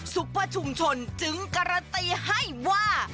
ซุปเปอร์ชุมชนจึงการันตีให้ว่า